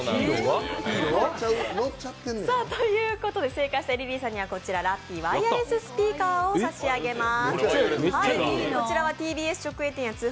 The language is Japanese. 正解したリリーさんにはラッピーワイヤレススピーカーを差し上げます。